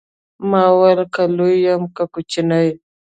ما وويل که لوى يم که کوچنى.